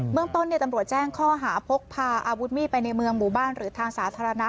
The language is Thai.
เมืองต้นตำรวจแจ้งข้อหาพกพาอาวุธมีดไปในเมืองหมู่บ้านหรือทางสาธารณะ